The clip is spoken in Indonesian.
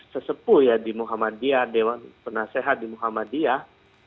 sesepuh ya di muhammadiyah dewan penasehat di muhammadiyah